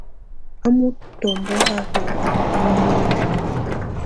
A mutɔmbɔ ha ə munu.